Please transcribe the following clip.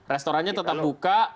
restorannya tetap buka